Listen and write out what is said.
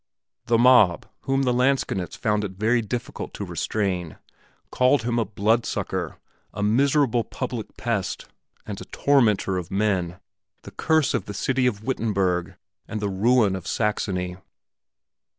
The mob, whom the lansquenets found it very difficult to restrain, called him a bloodsucker, a miserable public pest and a tormentor of men, the curse of the city of Wittenberg, and the ruin of Saxony.